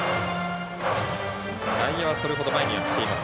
内野はそれほど前には来ていません。